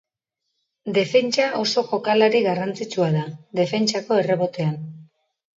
Defentsan oso jokalari garrantzitsua da, defentsako errebotean.